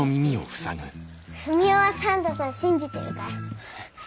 ふみおはサンタさん信じてるから。